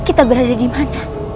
kita berada di mana